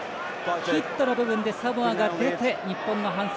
ヒットの部分でサモアが出て日本の反則。